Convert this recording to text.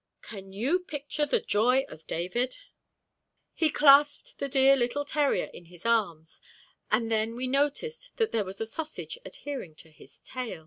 Can you picture the joy of David? He clasped the dear little terrier in his arms; and then we noticed that there was a sausage adhering to its tail.